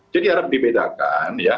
jadi harap dibedakan